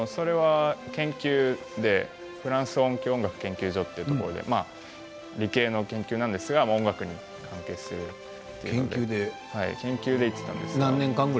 研究でフランス音響音楽研究所というところで理系の研究なんですけど音楽に関係する研究で行ったんです。